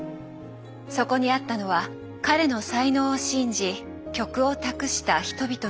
そこにあったのは彼の才能を信じ曲を託した人々の思い。